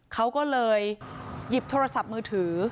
เขาก็เลยหยิบโทรศัพท์มือถือ